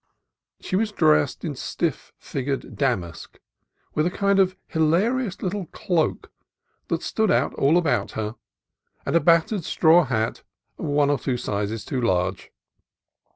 She was dressed in stiff figured damask, with a kind of hila rious little cloak that stood out all about her, and a battered straw hat one or two sizes too large.